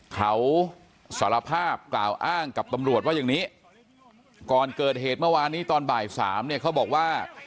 เขาสารภาพกล่าวอ้างกับตำรวจว่าอย่างนี้ก่อนเกิดเหตุเมื่อวานนี้ตอนบ่ายสามเนี่ยเขาบอกว่า